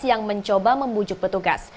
yang mencoba membujuk petugas